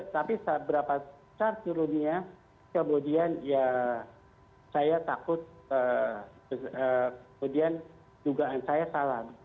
tapi seberapa besar turunnya kemudian ya saya takut kemudian dugaan saya salah